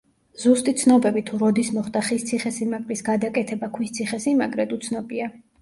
ზუსტი ცნობები თუ როდის მოხდა ხის ციხესიმაგრის გადაკეთება ქვის ციხესიმაგრედ, უცნობია.